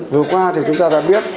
vừa qua thì chúng ta đã biết